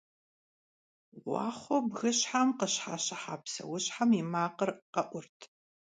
Гъуахъуэу бгыщхьэм къыщхьэщыхьа псэущхьэм и макъыр къэӏурт.